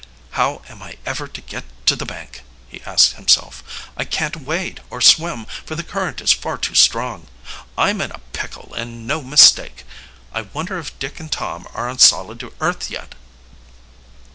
"How am I ever to get to the bank?" he asked himself. "I can't wade or swim, for the current is far too strong. I'm in a pickle, and no mistake. I wonder if Dick and Tom are on solid earth yet?"